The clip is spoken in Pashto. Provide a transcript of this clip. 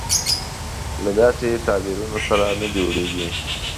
له داسې تعبیرونو سره نه جوړېږي.